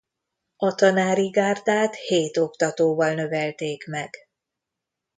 A tanári gárdát hét oktatóval növelték meg.